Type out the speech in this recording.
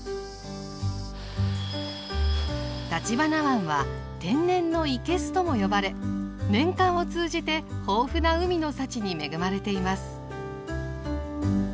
橘湾は「天然のいけす」とも呼ばれ年間を通じて豊富な海の幸に恵まれています。